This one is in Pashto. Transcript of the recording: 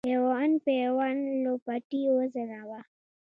پیوند پیوند لوپټې وځلوه